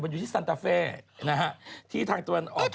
อยู่ที่ซานต้าเฟย์นะคะที่ถ้างด้วยแต่ถ้า